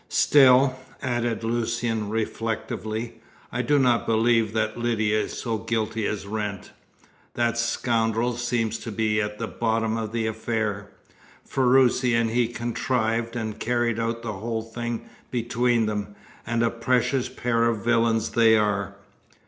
Still," added Lucian, reflectively, "I do not believe that Lydia is so guilty as Wrent. That scoundrel seems to be at the bottom of the affair. Ferruci and he contrived and carried out the whole thing between them, and a precious pair of villains they are."